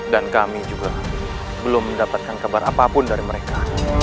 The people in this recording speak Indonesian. dan kami juga belum mendapatkan kabar apapun dari mereka